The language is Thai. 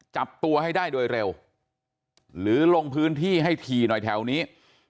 จับตัวให้ได้โดยเร็วหรือลงพื้นที่ให้ถี่หน่อยแถวนี้